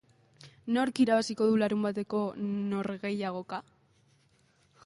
Nork irabaziko du larunbateko norgehiagoka?